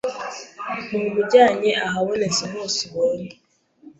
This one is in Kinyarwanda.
ntumujyanye ahabonetse hose ubonye .